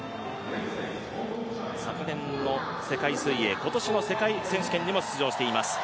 昨年の世界水泳、今年の世界選手権にも出場しています。